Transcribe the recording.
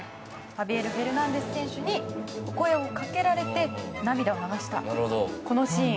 ハビエル・フェルナンデス選手に声をかけられて涙を流したこのシーン。